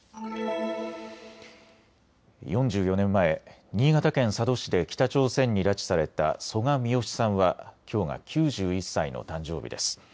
４４年前、新潟県佐渡市で北朝鮮に拉致された曽我ミヨシさんはきょうが９１歳の誕生日です。